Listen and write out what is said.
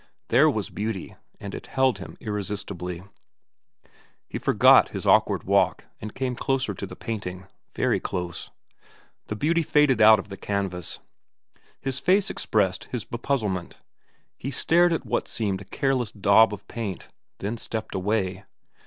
There was beauty, and it drew him irresistibly. He forgot his awkward walk and came closer to the painting, very close. The beauty faded out of the canvas. His face expressed his bepuzzlement. He stared at what seemed a careless daub of paint, then stepped away.